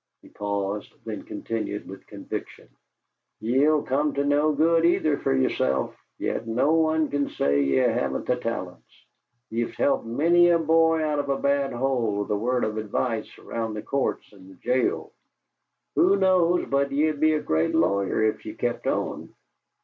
He paused, then continued with conviction: "Ye'll come to no good, either, fer yerself, yet no one can say ye haven't the talents. Ye've helped many of the boys out of a bad hole with a word of advice around the courts and the jail. Who knows but ye'd be a great lawyer if ye kept on?"